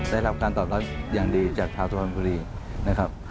ได้รับการตอบรับอย่างดีจากชาวสุพรรณบุรีนะครับ